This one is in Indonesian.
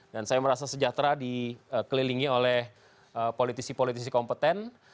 dan saya merasa sejahtera dikelilingi oleh politisi politisi kompeten